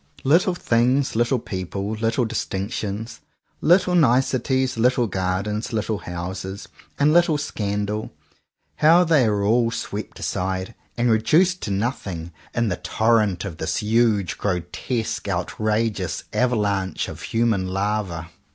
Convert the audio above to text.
Little things, little people, little distinc tions, little niceties, little gardens, little houses, and little scandal, — how they are all swept aside and reduced to nothing in 112 JOHN COWPER POWYS the torrent of this huge, grotesque, out rageous avalanche of human lava!